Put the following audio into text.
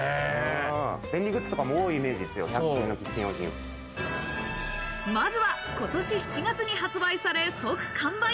便利グッズとか多いイメージまずは今年７月に発売され、即完売。